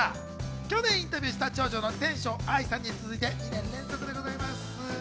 去年インタビューした長女の天翔愛さんに続いて２年連続でございます。